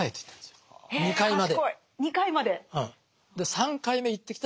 ２回まで。